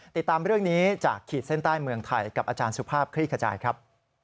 ติดตามเรื่องนี้จากขีดเส้นใต้เมืองไทยกับอาจารย์สุภาพคลี่ขจายครับ